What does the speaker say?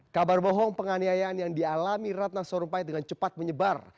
kabar bohong penganiayaan yang dialami ratna sarumpait dengan cepat menyebar